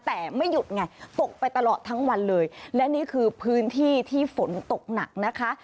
แต่ไม่หยุดไงตกไปตลอดทั้งวันเลยและนี่คือพื้นที่ที่ฝนตกหนักนะคะ